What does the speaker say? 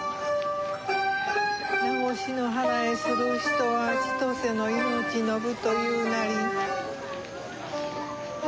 夏越の祓する人は千歳の命延ぶというなり。